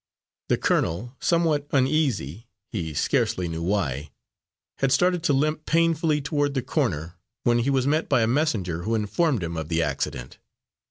The colonel, somewhat uneasy, he scarcely knew why, had started to limp painfully toward the corner, when he was met by a messenger who informed him of the accident.